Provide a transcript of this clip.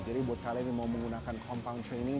jadi buat kalian yang mau menggunakan compound training